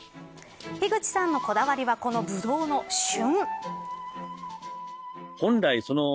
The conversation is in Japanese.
樋口さんのこだわりはこのブドウの旬。